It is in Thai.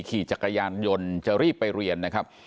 ขี่จักรยานยนต์จะรีบไปเรียนนะครับ